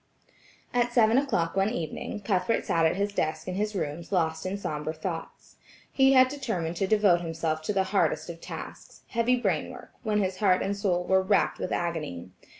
At seven o'clock one evening, Cuthbert sat at his desk in his rooms lost in sombre thoughts. He had determined to devote himself to the hardest of tasks, heavy brain work, when his heart and soul were racked with agony.